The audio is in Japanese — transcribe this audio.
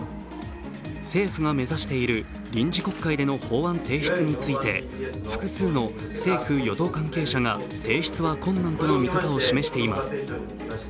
政府が目指している臨時国会での法案提出について複数の政府・与党関係者が提出は困難との見方を示しています。